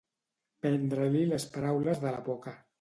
Prendre-li les paraules de la boca.